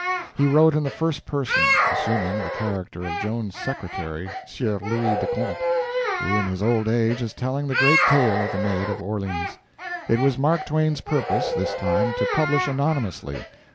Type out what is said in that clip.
He wrote in the first person, assuming the character of Joan's secretary, Sieur Louis de Conte, who in his old age is telling the great tale of the Maid of Orleans. It was Mark Twain's purpose, this time, to publish anonymously.